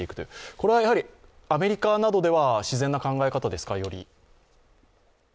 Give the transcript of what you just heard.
これはアメリカなどではより自然な考え方ですか？